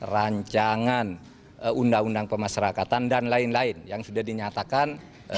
rancangan undang undang pemasarakatan dan lain lain yang sudah dinyatakan